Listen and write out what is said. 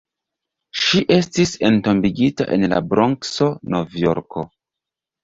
Ŝi estis entombigita en la Bronkso, Nov-Jorko.